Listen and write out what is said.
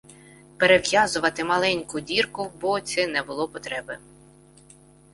Перев'язувати маленьку дірку в боці не було потреби.